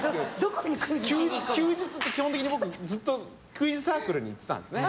休日って基本的に僕ずっとクイズサークルに行ってたんですね。